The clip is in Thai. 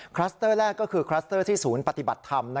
คลัสเตอร์แรกก็คือคลัสเตอร์ที่ศูนย์ปฏิบัติธรรม